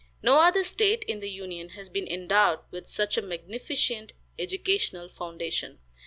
No other state in the Union has been endowed with such a magnificent educational foundation.